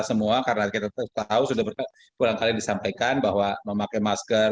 kita semua karena kita tahu sudah berkata kurang kali disampaikan bahwa memakai masker